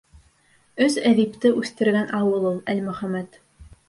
Өс әҙипте үҫтергән ауыл ул Әлмөхәмәт